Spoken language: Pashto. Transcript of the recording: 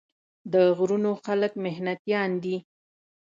د غرونو خلک محنتيان دي ـ